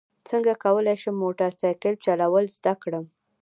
څنګه کولی شم موټر سایکل چلول زده کړم